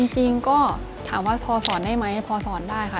จริงก็ถามว่าพอสอนได้ไหมพอสอนได้ค่ะ